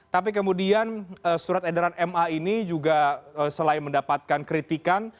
tapi kemudian surat edaran ma ini juga selain mendapatkan kritikan